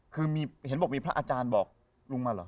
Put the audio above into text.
คือเห็นบอกมีพระอาจารย์บอกลุงมาเหรอ